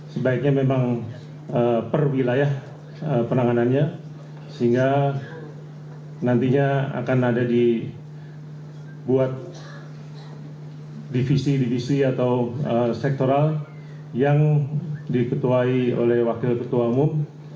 sebaiknya memang per wilayah penanganannya sehingga nantinya akan ada dibuat divisi divisi atau sektoral yang diketuai oleh wakil ketua umum